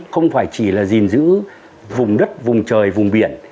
không phải chỉ là gìn giữ vùng đất vùng trời vùng biển